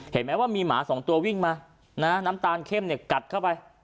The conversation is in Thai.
เห็นไหมว่ามีหมาสองตัววิ่งมานะน้ำตาลเข้มเนี่ยกัดเข้าไป